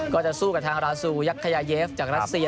ก็จะสู้กับทางราซูยักษยาเยฟจากรัสเซีย